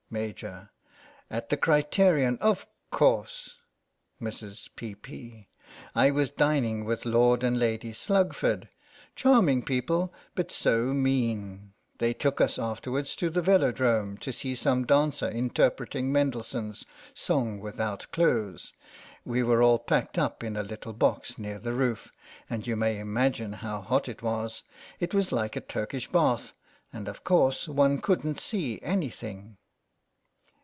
Maj, : At the Criterion, of course. Mrs. P,'P, : I was dining with Lord and Lady Slugford. Charming people, but so mean. They took us afterwards to the Velo drome, to see some dancer interpreting Men delssohn's " songs without clothes." We were all packed up in a little box near the roof, and you may imagine how hot it was. It was like a Turkish bath. And, of course, one couldn't see anything.